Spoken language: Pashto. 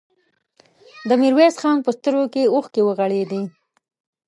د ميرويس خان په سترګو کې اوښکې ورغړېدې.